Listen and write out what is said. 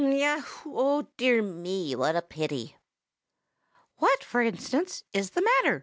Hm a yeaow! oh, dear me! what a pity!" "What, for instance, is the matter?"